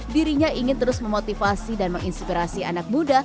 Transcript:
dirinya ingin terus memotivasi dan menginspirasi anak muda